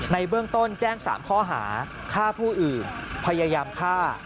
ในเบื้องต้นแจ้ง๓ข้อหาฆ่าผู้อื่นพยายามฆ่า